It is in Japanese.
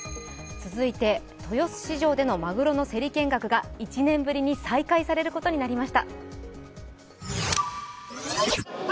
続いて豊洲市場でのまぐろの競り見学が１年ぶりに再開となりました。